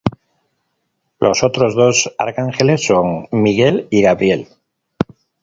Los otros dos arcángeles son Miguel y Gabriel.